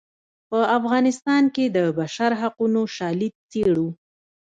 په افغانستان کې د بشر حقونو شالید څیړو.